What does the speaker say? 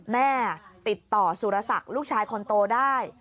แม่ติดต่อสุรศักดิ์ลูกชายคนโตได้